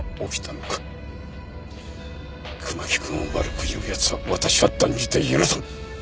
熊木くんを悪く言う奴は私は断じて許さん！